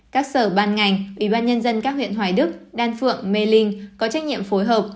các sở ban ngành ủy ban nhân dân các huyện hoài đức đan phượng mê linh có trách nhiệm phối hợp